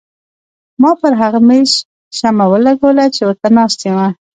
ما پر هغه مېز شمه ولګوله چې ورته ناسته یم.